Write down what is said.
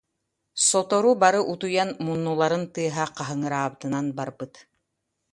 Сотору бары утуйан муннуларын тыаһа хаһыҥыраабытынан барбыт